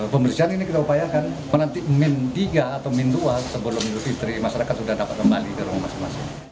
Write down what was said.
pembersihan ini kita upayakan nanti min tiga atau min dua sebelum idul fitri masyarakat sudah dapat kembali ke rumah masing masing